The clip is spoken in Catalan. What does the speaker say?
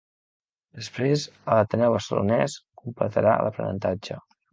Després, a l'Ateneu Barcelonès completarà l'aprenentatge.